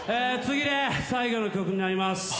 次で最後の曲になります。